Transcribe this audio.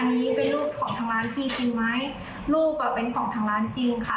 อันนี้เป็นรูปของทางร้านจริงจริงไหมลูกอ่ะเป็นของทางร้านจริงค่ะ